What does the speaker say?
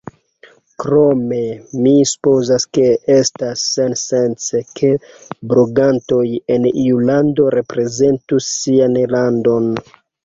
Krome, mi supozas ke estas sensence ke blogantoj en iu lando reprezentus sian landon.